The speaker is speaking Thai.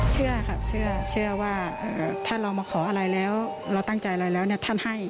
เชื่อครับเชื่อว่าถ้าเรามาขออะไรแล้วเราตั้งใจอะไรแล้วเนี่ยท่านให้